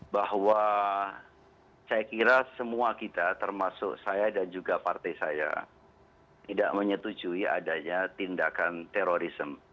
bahwa saya kira semua kita termasuk saya dan juga partai saya tidak menyetujui adanya tindakan terorisme